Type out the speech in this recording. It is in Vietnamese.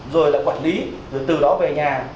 rồi là quản lý rồi từ đó về nhà